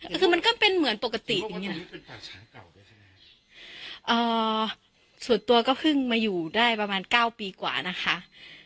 ก็คือมันก็เป็นเหมือนปกติอย่างเงี้ยอ๋อส่วนตัวก็เพิ่งมาอยู่ได้ประมาณเก้าปีกว่านะคะ